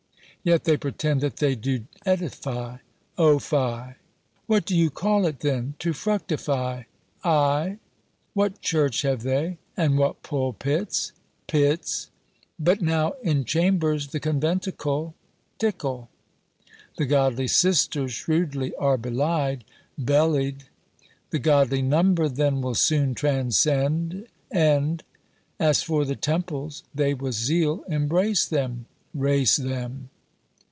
_ Yet they pretend that they do edifie: O fie! What do you call it then, to fructify? Ay. What church have they, and what pulpits? Pitts! But now in chambers the Conventicle; Tickle! The godly sisters shrewdly are belied. Bellied! The godly number then will soon transcend. End! As for the temples, they with zeal embrace them. _Rase them!